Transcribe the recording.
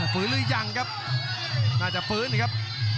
ฟื้นหรือยังครับน่าจะฟื้นครับ